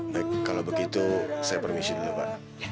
baik kalau begitu saya permisi juga pak